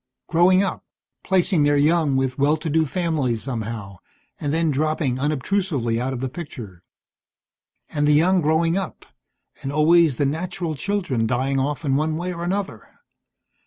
Growing up. Placing their young with well to do families somehow, and then dropping unobtrusively out of the picture. And the young growing up, and always the natural children dying off in one way or another.